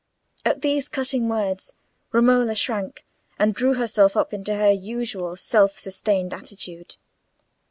At these cutting words, Romola shrank and drew herself up into her usual self sustained attitude.